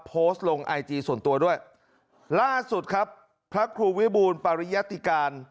โพสต์ลงไอจีส่วนตัวด้วยล่าสุดครับพระครูวิบูรณ์ปริยติการ